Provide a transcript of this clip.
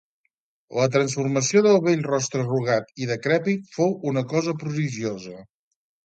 La transformació del vell rostre arrugat i decrèpit fou una cosa prodigiosa.